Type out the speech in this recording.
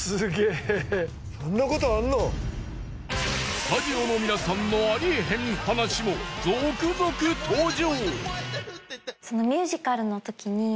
スタジオの皆さんのありえへん話も続々登場！